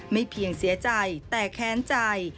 เพียงเสียใจแต่แค้นใจ